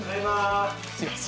はい。